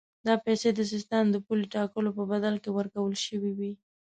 دا پیسې د سیستان د پولې ټاکلو په بدل کې ورکول شوې وې.